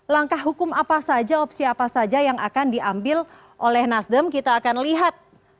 langkah hukum apa saja opsi apa saja yang akan diambil oleh nasdem kita akan lihat